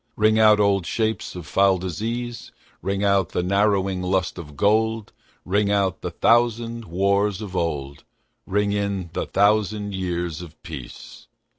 Ring out old shapes of foul disease, Ring out the narrowing lust of gold; Ring out the thousand wars of old, Ring in the thousand years of peace.